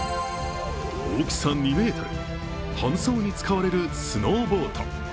大きさ２ｍ、搬送に使われるスノーボート。